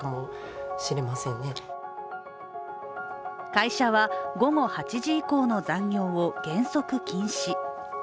会社は、午後８時以降の残業を原則禁止。